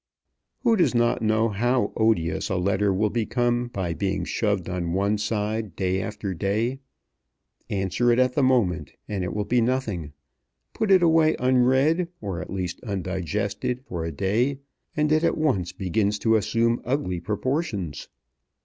Who does not know how odious a letter will become by being shoved on one side day after day? Answer it at the moment, and it will be nothing. Put it away unread, or at least undigested, for a day, and it at once begins to assume ugly proportions.